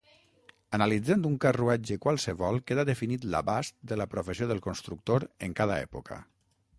Analitzant un carruatge qualsevol queda definit l’abast de la professió del constructor en cada època.